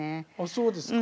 そうですか。